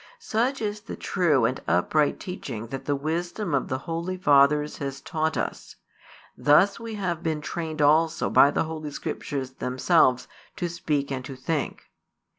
Such is the true and upright teaching that the wisdom of the holy fathers has taught us: thus we have been trained also by the Holy Scriptures themselves to speak and to think.